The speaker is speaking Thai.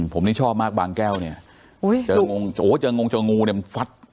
ผมนี่ชอบมากบางแก้วเนี่ยเจองงโอ้เจองงเจองูเนี่ยมันฟัด